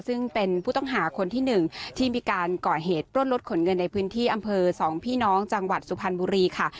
ซึ่งเป็นผู้ต้องหาคนที่๑ที่มีการก่อเหตุปล้นรถขนเงินในพื้นที่อำเภอ๒พี่น้องจังหวัดสุพรรณบุรีค่ะ